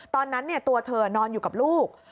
ตอนนั้นตัวเธอนอนอยู่กับลูก